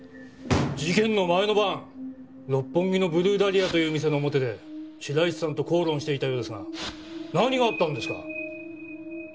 事件の前の晩六本木のブルーダリアという店の表で白石さんと口論していたようですが何があったんですか？